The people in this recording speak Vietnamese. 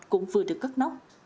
cũng vừa được cất nóc